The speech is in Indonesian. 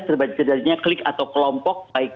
terjadinya klik atau kelompok baik